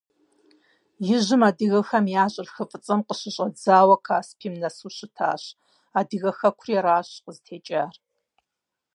Ижьым адыгэхэм я щӀыр хы ФӀыцӀэм къыщыщӀэдзауэ Каспийм нэсу щытащ, адыгэ хэкури аращ къызытекӀар.